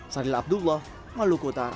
sariah abdullah maluku utara